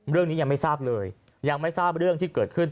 เรื่องนี้ยังไม่ทราบเลยยังไม่ทราบเรื่องที่เกิดขึ้น